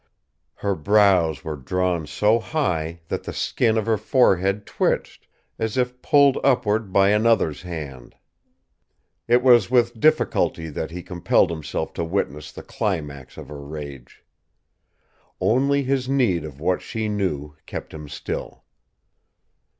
Her brows were drawn so high that the skin of her forehead twitched, as if pulled upward by another's hand. It was with difficulty that he compelled himself to witness the climax of her rage. Only his need of what she knew kept him still.